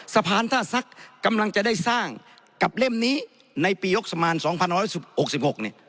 สะพานท่าซักกำลังจะได้สร้างกับเล่มนี้ในปียกสมาน๒๑๖๖เนี่ย